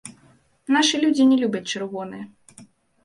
Нашы людзі не любяць чырвоны.